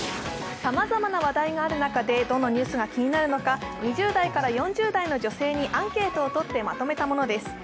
さまざまな話題がある中で、どのニュースが気になるのか２０代から４０代の女性にアンケートをとってまとめたものです。